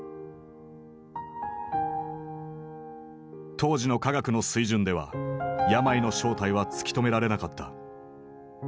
当時の科学の水準では病の正体は突き止められなかった。